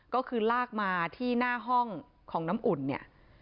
ก็คือลากมาที่หน้าห้องของน้ำอุ่นเนี่ย